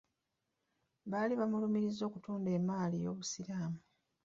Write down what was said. Baali bamulumiriza okutunda emmaali y'Obusiraamu.